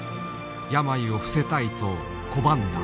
病を伏せたいと拒んだ。